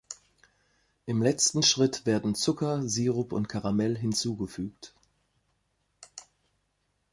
Im letzten Schritt werden Zucker, Sirup und Karamell hinzugefügt.